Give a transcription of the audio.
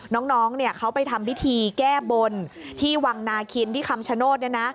น้องเขาไปทำพิธีแก้บนที่วังนาคินที่คำชโนธเนี่ยนะ